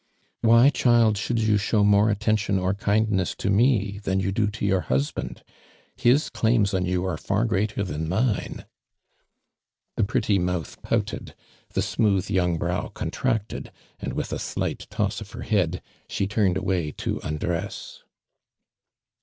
" Why^ child, should you show more at tention or kindness to lui* than you do to your husband? His clainn on you are far greater than mine.'' The pretty mouth i)outod — tlio smooth young brow contracted, and wltli a .slight toss of her head sho turned away to un dress.